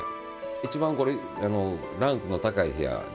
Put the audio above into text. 一番これランクの高い部屋ですね。